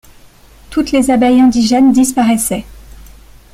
Toutes les abeilles indigènes disparaissaient.